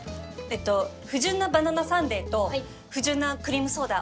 不純なババナサンデーと不純なクリームソーダお願いします。